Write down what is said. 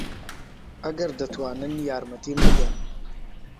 ئەگەر دەتوانن یارمەتیم بدەن.